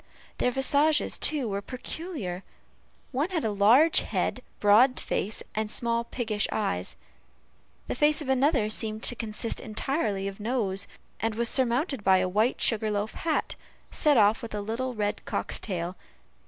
Their visages, too, were peculiar; one had a large head, broad face, and small piggish eyes; the face of another seemed to consist entirely of nose, and was surmounted by a white sugar loaf hat, set off with a little red cock's tail.